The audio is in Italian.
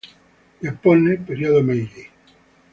Giappone, periodo Meiji.